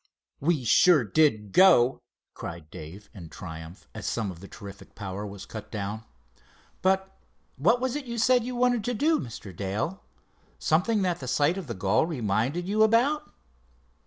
"We sure did go!" cried Dave in triumph, as some of the terrific power was cut down. "But what was it you said you wanted to do, Mr. Dale—something that the sight of the gull reminded you about?"